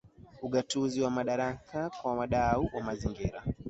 Ugatuzi wa madaraka kwa wadau wa mazingira